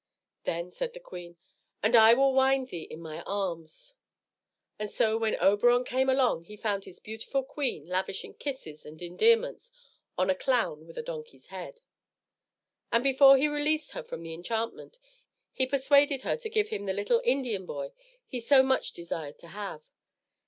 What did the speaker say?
Then said the queen, "And I will wind thee in my arms." And so when Oberon came along he found his beautiful queen lavishing kisses and endearments on a clown with a donkey's head. And before he released her from the enchantment, he persuaded her to give him the little Indian boy he so much desired to have.